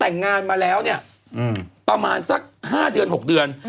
แต่งงานมาแล้วเนี่ยประมาณสัก๕เดือน๖เดือน